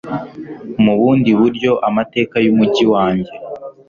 mubundi buryo amateka yumujyi wanjye